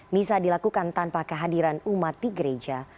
misa dilakukan tanpa kehadiran umat di gereja